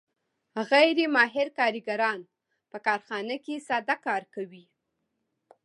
غیر ماهر کارګران په کارخانه کې ساده کار کوي